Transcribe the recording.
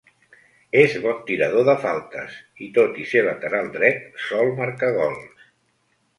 És bon tirador de faltes i, tot i ser lateral dret, sol marcar gols.